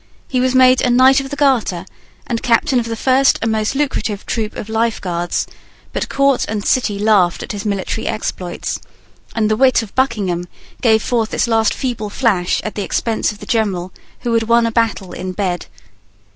He was made a Knight of the Garter and Captain of the first and most lucrative troop of Life Guards: but Court and City laughed at his military exploits; and the wit of Buckingham gave forth its last feeble flash at the expense of the general who had won a battle in bed.